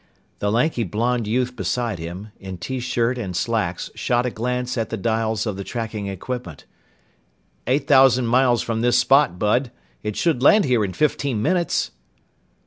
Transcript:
The lanky blond youth beside him, in T shirt and slacks, shot a glance at the dials of the tracking equipment. "Eight thousand miles from this spot, Bud. It should land here in fifteen minutes!"